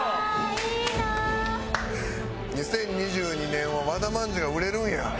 ２０２２年は和田まんじゅうが売れるんや。